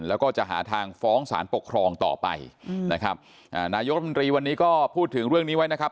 แล้วก็จะหาทางฟ้องสารปกครองต่อไปนะครับอ่านายกรัฐมนตรีวันนี้ก็พูดถึงเรื่องนี้ไว้นะครับ